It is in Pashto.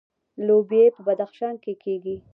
لوبیې په بدخشان کې کیږي